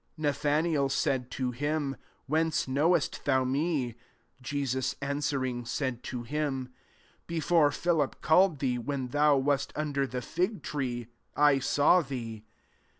48 Na thanael said to him, '^ Whence knowest thou me ?" Jesqs an swering, said to him, " Before Philip called thee, when thou wast under the fig tree> I saw thee."